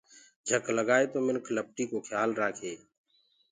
جھڪ لگآئي تو منِک لپٽينٚ ڪو کيآل رآکي۔